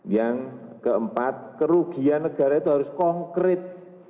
yang keempat kerugian negara itu harus konkret